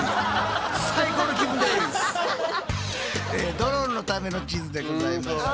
ドローンのための地図でございました。